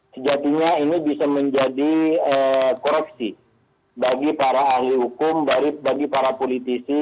sejatinya ini bisa menjadi koreksi bagi para ahli hukum bagi para politisi